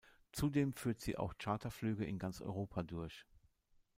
Zudem führt sie auch Charterflüge in ganz Europa durch.